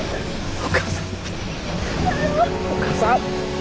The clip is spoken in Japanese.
お母さん。